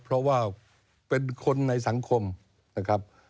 เพราะว่าเป็นคนในสังคมนะครับ